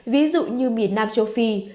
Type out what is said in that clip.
ví dụ như miền nam châu phi